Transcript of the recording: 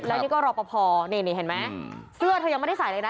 แล้วนี่ก็รอปภนี่เห็นไหมเสื้อเธอยังไม่ได้ใส่เลยนะ